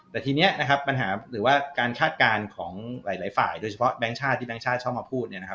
แต่ทีนี้นะครับปัญหาหรือว่าการคาดการณ์ของหลายฝ่ายโดยเฉพาะแบงค์ชาติที่แก๊งชาติชอบมาพูดเนี่ยนะครับ